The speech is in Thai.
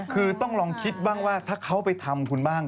คือต้องลองคิดบ้างว่าถ้าเขาไปทำคุณบ้าง